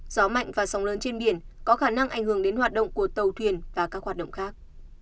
gió mạnh và sóng lớn trên biển có khả năng ảnh hưởng đến hoạt động của tàu thuyền và các hoạt động khác